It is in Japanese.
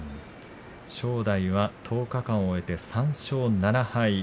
正代は１０日間を終えて３勝７敗。